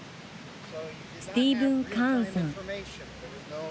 スティーブン・カーンさん。